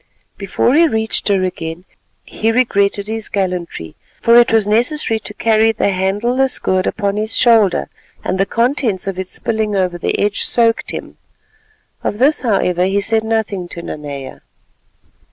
Before he reached her again, he regretted his gallantry, for it was necessary to carry the handleless gourd upon his shoulder, and the contents of it spilling over the edge soaked him. Of this, however, he said nothing to Nanea.